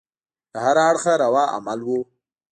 له هره اړخه روا عمل وو.